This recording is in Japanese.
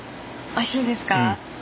おいしいですか。